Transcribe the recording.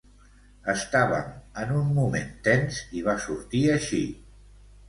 Estàvem en un moment tens i va sortir així.